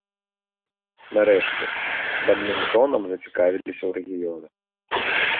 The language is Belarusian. Нарэшце, бадмінтонам зацікавіліся ў рэгіёнах.